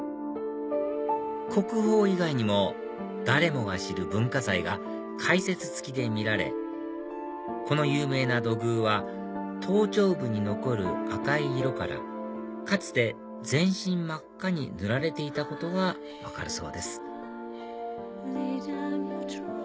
国宝以外にも誰もが知る文化財が解説付きで見られこの有名な土偶は頭頂部に残る赤い色からかつて全身真っ赤に塗られていたことが分かるそうです